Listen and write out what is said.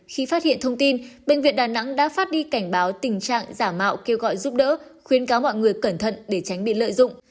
khi phát hiện thông tin bệnh viện đà nẵng đã phát đi cảnh báo tình trạng giả mạo kêu gọi giúp đỡ khuyến cáo mọi người cẩn thận để tránh bị lợi dụng